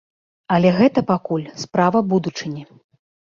Але гэта пакуль справа будучыні.